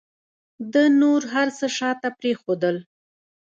ده نور هر څه شاته پرېښودل.